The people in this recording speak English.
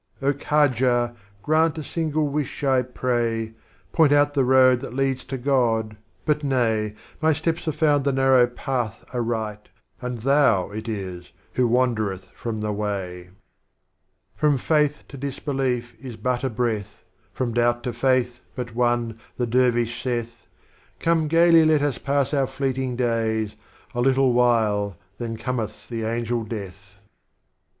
Oh KhAjah''^ Grant a single Wish I pray, Point out the Road that leads to God, — but nay, My Steps have found the Narrow Path aright, And Thou it is, who waudereth from the way. 54 Strophes of Omar Khayyam. From Failli to Disbelief is but a Breath, From Doubt to Faith, but one, the Dervish saith, Come gaily let us pass our fleeting Days, — A Little While then cometh the Angel Death.